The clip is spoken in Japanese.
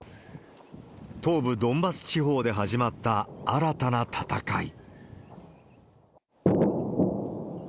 東部ドンバス地方で始まった新たな戦い。